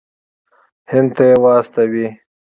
هند ته یې واستوي.